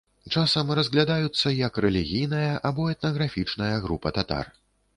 Часам разглядаюцца як рэлігійная або этнаграфічная група татар.